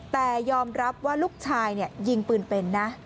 แต่ยอมรับว่าลูกชายยิงปืนเป็นนะ